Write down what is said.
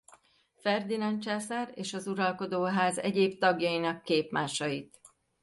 Ferdinánd császár és az uralkodó ház egyéb tagjainak képmásait.